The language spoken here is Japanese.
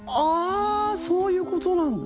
そういうことなんだ。